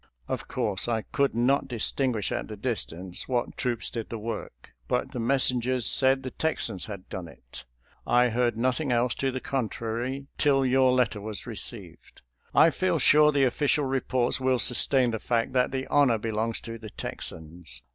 Of course, I could not distinguish at the distance what troops did the work, but the messengers said the Texans had done it. I heard nothing else to the contrary till your let FOUETH TEXAS AT GAINES' MILLS 311 ter was received. I feel sure the ofScial reports will sustain the fact that the honor belongs to the Texans.